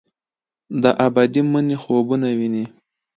د ابدي مني خوبونه ویني